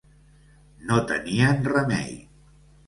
No tenien remei.